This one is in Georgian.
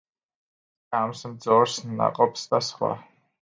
ჭამს მძორს, ნაყოფს და სხვა.